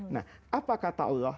nah apa kata allah